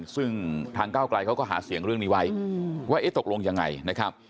ซึ่งทางก้าวไกลเขาก็หาเสียงเรื่องนี้ไว้ว่าเอ๊ะตกลงยังไงนะครับ